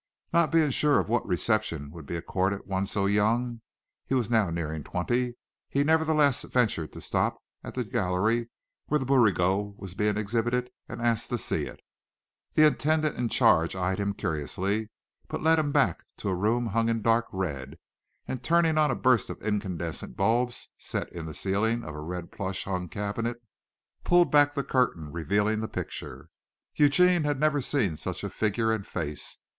Not being sure of what reception would be accorded one so young he was now nearing twenty he nevertheless ventured to stop at the gallery where the Bouguereau was being exhibited and ask to see it. The attendant in charge eyed him curiously, but led him back to a room hung in dark red, and turning on a burst of incandescent bulbs set in the ceiling of a red plush hung cabinet, pulled back the curtain revealing the picture. Eugene had never seen such a figure and face.